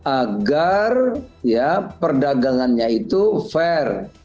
agar perdagangannya itu fair